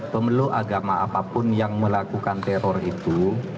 pemeluk agama apapun yang melakukan teror itu